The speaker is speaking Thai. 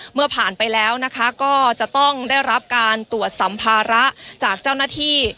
เมื่อผ่านไปแล้วนะคะก็จะต้องได้รับการตรวจสัมภาระจากเจ้าหน้าที่